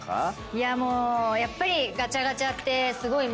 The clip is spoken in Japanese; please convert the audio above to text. いやもうやっぱりガチャガチャってすごい魅力